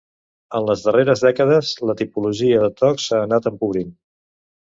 En les darreres dècades, la tipologia de tocs s'ha anat empobrint.